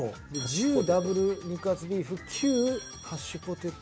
１０ダブル肉厚ビーフ９ハッシュポテト。